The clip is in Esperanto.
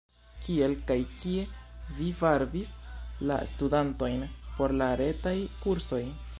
Kiel kaj kie vi varbis la studantojn por la retaj kursoj?